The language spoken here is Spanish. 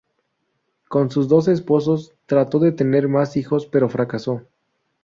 Con sus dos esposos trató de tener más hijos, pero fracasó.